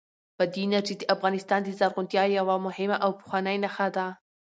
بادي انرژي د افغانستان د زرغونتیا یوه مهمه او پخوانۍ نښه ده.